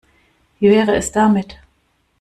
Wie wäre es damit?